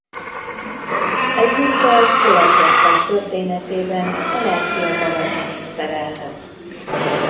Egyúttal Olaszország történetében a legfiatalabb miniszterelnök.